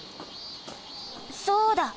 そうだ！